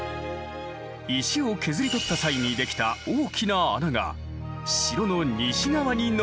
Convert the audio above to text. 石を削り取った際に出来た大きな穴が城の西側に残っている。